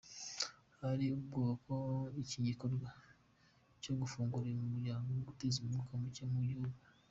Hari ubwoba ko iki gikorwa cyo gufungura uyu mugabo cyateza umwuka muke mu gihugu.